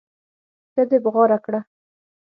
ښځې بغاره کړه.